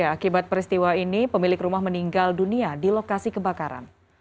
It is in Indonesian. akibat peristiwa ini pemilik rumah meninggal dunia di lokasi kebakaran